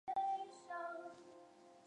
林师杰经理人合约男艺员。